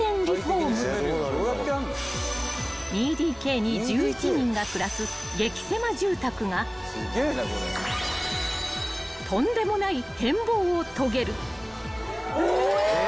［２ＤＫに１１人が暮らす激狭住宅がとんでもない変貌を遂げる］え？